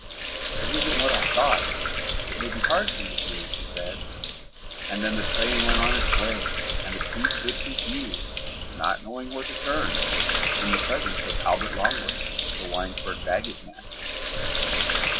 "It isn't what I thought. It may be hard for you here," she said, and then the train went on its way and the two stood confused, not knowing where to turn, in the presence of Albert Longworth, the Winesburg baggage master.